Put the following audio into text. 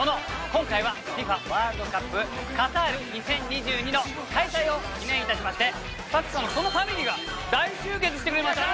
今回は「ＦＩＦＡワールドカップカタール２０２２」の開催を記念いたしまして「サッカーの園」ファミリーが大集結してくれました！